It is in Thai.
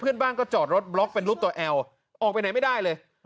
เพื่อนบ้านก็จอดรถบล็อกเป็นรูปตัวแอลออกไปไหนไม่ได้เลย